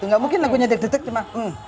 gak mungkin lagunya dek dek dek cuma